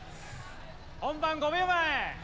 本番５秒前。